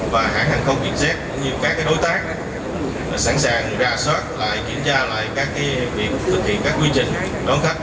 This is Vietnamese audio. và hãng hàng không viện xét như các đối tác sẵn sàng ra soát lại kiểm tra lại các việc thực hiện các quy trình đón khách